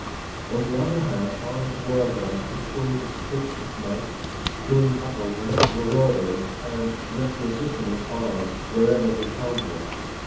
On the other hand armed workers patrolled the streets at night, doing battle with marauders and requisitioning arms wherever they found them.